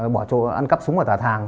bỏ trộn ăn cắp súng ở tà thàng